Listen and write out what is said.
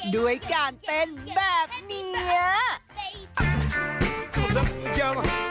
ด้วยการเต้นแบบนี้